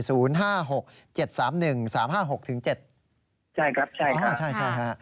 ใช่ครับใช่ครับ